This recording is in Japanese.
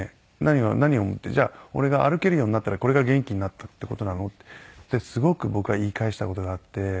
「じゃあ俺が歩けるようになったらこれが元気になったって事なの？」ってすごく僕が言い返した事があって。